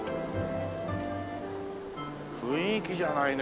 雰囲気じゃないの。